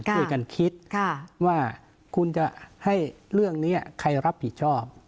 ช่วยกันคิดว่าคุณจะให้เรื่องนี้ใครรับผิดชอบ